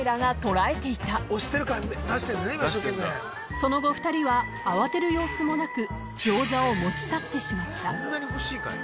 ［その後２人は慌てる様子もなくギョーザを持ち去ってしまった］